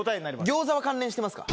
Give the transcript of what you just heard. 餃子は関連してますか？